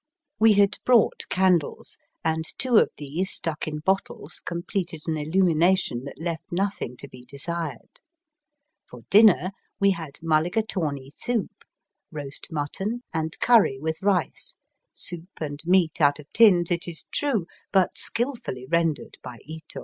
We had brought candles, and two of these stuck in bottles, completed an illumination that left nothing to be desired. For dinner we had mulligatawney soup, roast mutton, and curry with rice — soup and meat out of tins it is true, but skilfully rendered by Ito.